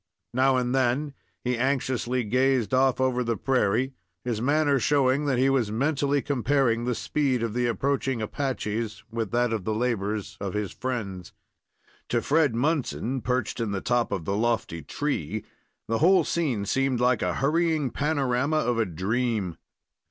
Now and then he anxiously gazed off over the prairie, his manner showing that he was mentally comparing the speed of the approaching Apaches with that of the labors of his friends. To Fred Munson, perched in the top of the lofty tree, the whole scene seemed like a hurrying panorama of a dream.